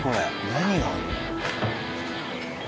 何があるの？